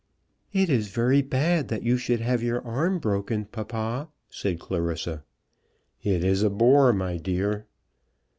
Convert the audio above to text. "It is very bad that you should have your arm broken, papa," said Clarissa. "It is a bore, my dear."